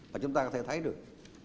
mà chúng ta có thể thấy được